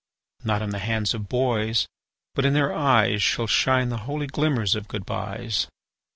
Not in the hands of boys, but in their eyes Shall shine the holy glimmers of good byes.